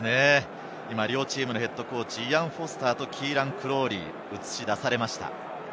両チームのＨＣ、イアン・フォスターとキーラン・クロウリーが映し出されました。